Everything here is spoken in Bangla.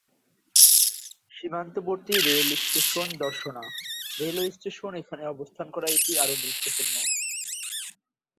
সীমান্তবর্তী rail station Darshana railway station এখানে অবস্থান করায় এটি আরও গুরুত্বপূর্ণ।